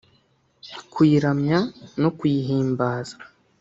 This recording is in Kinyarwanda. kuyiramya no kuyihimbaza